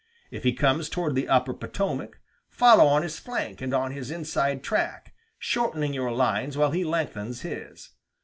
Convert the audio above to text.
If he comes toward the upper Potomac, follow on his flank and on his inside track, shortening your lines while he lengthens his.